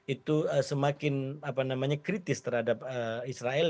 itu semakin kritis terhadap israel